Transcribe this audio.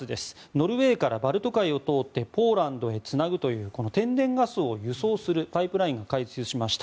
ノルウェーからバルト海を通ってポーランドへつなぐという天然ガスを輸送するパイプラインが開通しました。